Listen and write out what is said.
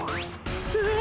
うわ！